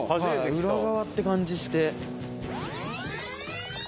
裏側って感じして。